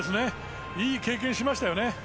いい経験をしましたよね。